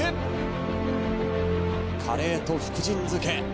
カレーと福神漬け